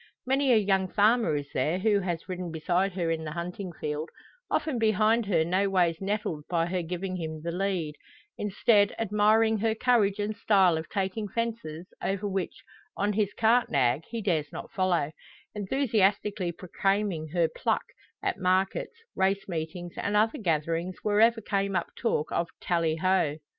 Many a young farmer is there who has ridden beside her in the hunting field, often behind her no ways nettled by her giving him the "lead;" instead, admiring her courage and style of taking fences over which, on his cart nag, he dares not follow enthusiastically proclaiming her "pluck" at markets, race meetings, and other gatherings wherever came up talk of "Tally ho."